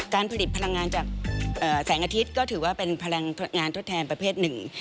ผลิตพลังงานจากแสงอาทิตย์ก็ถือว่าเป็นพลังงานทดแทนประเภทหนึ่ง